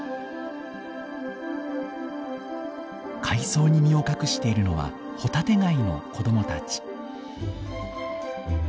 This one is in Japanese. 海藻に身を隠しているのはホタテガイの子供たち。